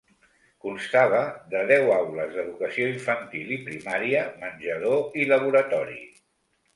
Constava de deu aules d'educació infantil i primària, menjador i laboratori.